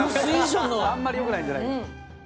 「あんまりよくないんじゃない？」